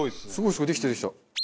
すごいできたできた。